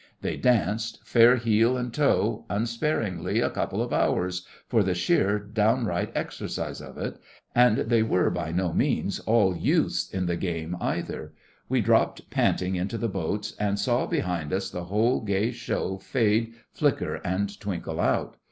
They danced, fair heel and toe, unsparingly a couple of hours, for the sheer, downright exercise of it. And they were by no means all youths in the game either. We dropped panting into the boats, and saw behind us the whole gay show fade, flicker, and twinkle out.